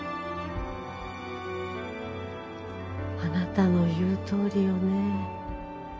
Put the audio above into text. あなたの言うとおりよね。